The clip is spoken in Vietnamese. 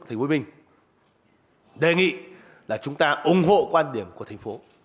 thành phố bình đề nghị là chúng ta ủng hộ quan điểm của thành phố